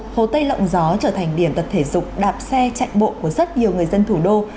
hồ tây lộng gió trở thành điểm tập thể dục đạp xe chạy bộ của rất nhiều người dân thủ đô